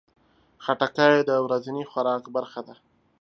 خټکی د ورځني خوراک برخه ده.